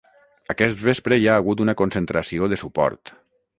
Aquest vespre hi ha hagut una concentració de suport.